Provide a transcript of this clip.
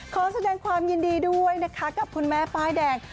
ขอแสดงความยินดีด้วยนะคะกับคุณแม่ป้ายแดง